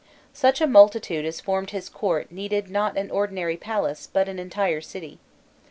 Such a multitude as formed his court needed not an ordinary palace, but an entire city.